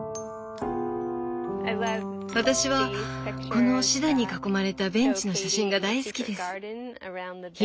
私はこのシダに囲まれたベンチの写真が大好きです。